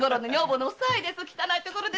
汚いところですが。